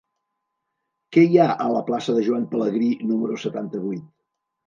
Què hi ha a la plaça de Joan Pelegrí número setanta-vuit?